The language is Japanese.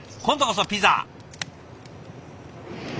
今度こそピザ。